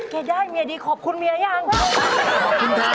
ไปดูราคายืนยันใหม่ได้ไหม